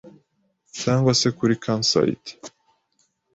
cyangwa se kuri ‘Camp site’,